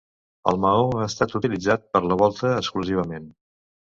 El maó ha estat utilitzat per la volta exclusivament.